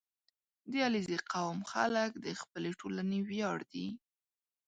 • د علیزي قوم خلک د خپلې ټولنې ویاړ دي.